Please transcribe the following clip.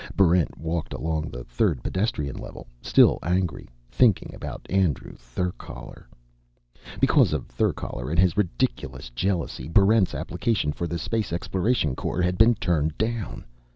Barrent walked along the third pedestrian level, still angry, thinking about Andrew Therkaler. Because of Therkaler and his ridiculous jealousy, Barrent's application for the Space Exploration Corps had been turned down.